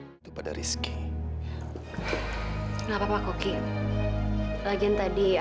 sampai jumpa di video selanjutnya